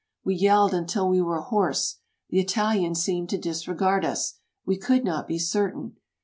We yelled until we were hoarse. The Italians seemed to disregard us — we could not be certain.